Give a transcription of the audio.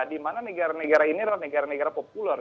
dimana negara negara ini adalah negara negara populer